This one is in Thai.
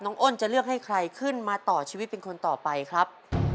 อ้นจะเลือกให้ใครขึ้นมาต่อชีวิตเป็นคนต่อไปครับ